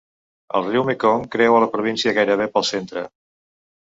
El riu Mekong creua la província, gairebé, pel centre.